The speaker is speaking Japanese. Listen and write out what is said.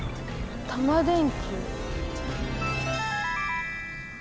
タマ電Ｑ？